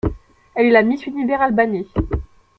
Elle est la Miss Univers Albanie.